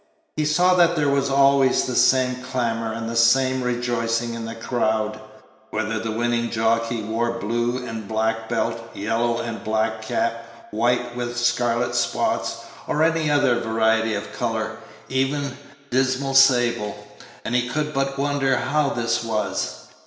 He saw that there was always the same clamor and the same rejoicing in the crowd, whether the winning jockey wore blue and black belt, yellow and black cap, white with scarlet spots, or any other variety of color, even to dismal sable; and he could but wonder how this was.